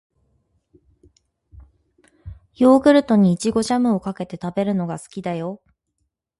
ヨーグルトに、いちごジャムをかけて食べるのが好きだよ。